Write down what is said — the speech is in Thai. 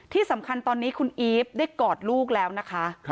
ที่สำคัญตอนนี้คุณอีฟได้กอดลูกแล้วนะคะ